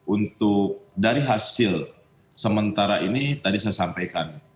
untuk dari hasil sementara ini tadi saya sampaikan